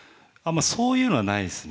そういうのはないですね。